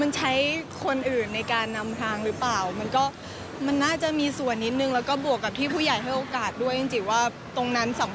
เริ่มจากการเป็นดันเซอร์แล้วมาเป็นนักร้อง